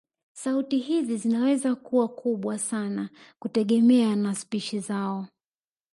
Sauti hizi zinaweza kuwa kubwa sana kutegemeana na spishi zao